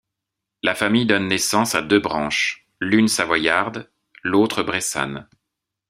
La famille donne naissance à deux branches, l'une savoyarde, l'autre bressane.